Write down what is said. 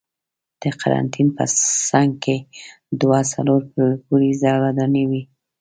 د قرنتین په څنګ کې دوه څلور پوړیزه ودانۍ وې.